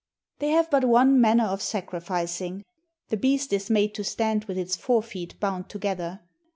They have but one manner of sacrificing. The beast is made to stand with its forefeet bound together.